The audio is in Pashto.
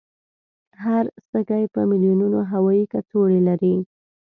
هر سږی په میلونونو هوایي کڅوړې لري.